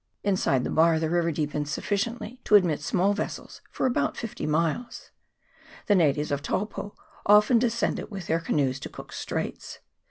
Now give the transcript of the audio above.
Inside the bar the river deepens sufficiently to admit small vessels for about fifty miles. The natives of Taupo often descend it with their canoes to Cook's Straits.